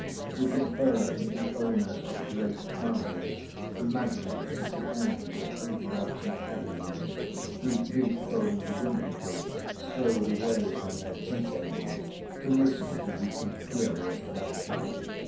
We conferred with the owners of great houses—magnates at the ends of overarching avenues whose big boned womenfolk strode away from their tea tables to listen to the imperious Doctor.